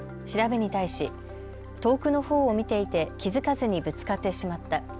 調べに対し遠くのほうを見ていて気付かずにぶつかってしまった。